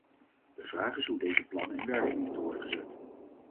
De vraag is hoe deze plannen in werking moeten worden gezet.